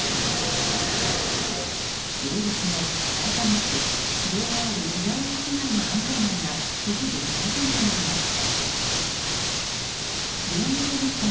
昼時のさいたま市ＪＲ浦和駅前の繁華街が一時、騒然となりました。